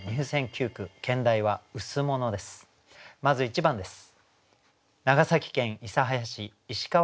まず１番です。